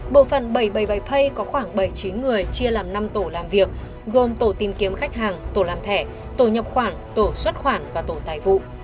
bộ phần bảy trăm bảy mươi bảy pay có khoảng bảy mươi chín người chia làm năm tổ làm việc gồm tổ tìm kiếm khách hàng tổ làm thẻ tổ nhập khoản tổ xuất khoản và tổ tài vụ